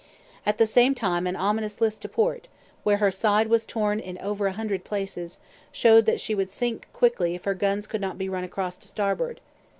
At the same time an ominous list to port, where her side was torn in over a hundred places, showed that she would sink quickly if her guns could not be run across to starboard.